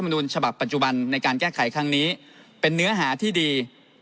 นุนฉบับปัจจุบันในการแก้ไขครั้งนี้เป็นเนื้อหาที่ดี